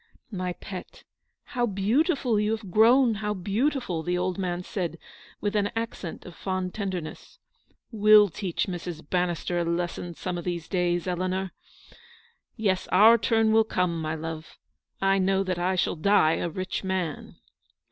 " My pet, how beautiful you have grown, how beautiful !" the old man said, with an accent of fond tenderness. " We'll teach Mrs. Bannister a lesson some of these days, Eleanor. Yes, our turn will come, my love ; I know that I shall die a rich man."